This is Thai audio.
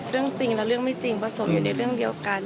เรื่องจริงและเรื่องไม่จริงผสมอยู่ในเรื่องเดียวกัน